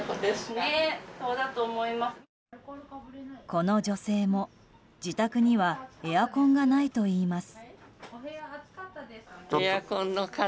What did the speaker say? この女性も、自宅にはエアコンがないといいます。